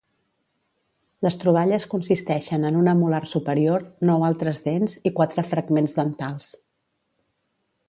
Les troballes consisteixen en una molar superior, nou altres dents i quatre fragments dentals.